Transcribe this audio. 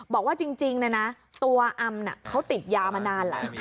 บอกว่าจริงตัวอำเขาติดยามานานแหละ